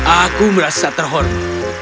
aku merasa terhormat